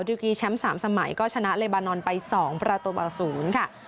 ดีกีแชมป์๓สมัยก็ชนะเลบานอนไป๒ประตูต่อ๐ค่ะ